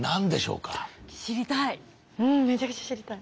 うんめちゃくちゃ知りたい。